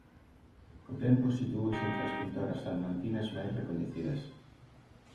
Co tempo situouse entre as pintoras salmantinas máis recoñecidas.